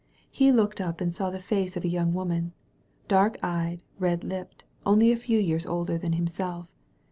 He looked up and saw the face of a young woman, dark eyed, red hpped, only a few years older than himself.